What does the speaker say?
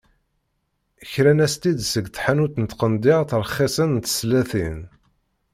Kran-as-tt-id seg tḥanut n tqendyar rxisen n teslatin.